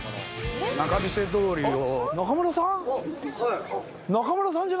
仲見世通りを。